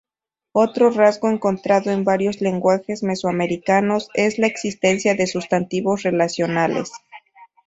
Otro rasgo encontrado en varios lenguajes mesoamericanos es la existencia de sustantivos relacionales.